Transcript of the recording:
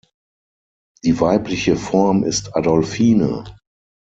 Die weibliche Form ist Adolfine.